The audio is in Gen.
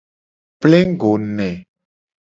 Plengugo ne.